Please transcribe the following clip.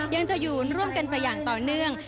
ยังจะอยู่ร่วมกันไปอย่างต่อเนื่อง